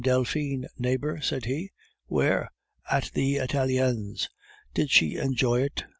Delphine, neighbor," said he. "Where?" "At the Italiens." "Did she enjoy it?....